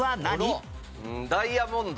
ダイヤモンド。